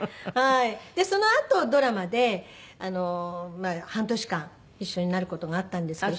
でそのあとドラマで半年間一緒になる事があったんですけど